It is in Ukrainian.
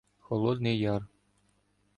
Холодний Яр.